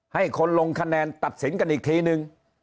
ให้คนลงคะแนนตัดสินกันอีกทีนึง